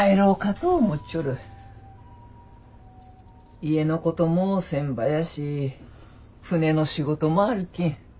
家のこともせんばやし船の仕事もあるけん。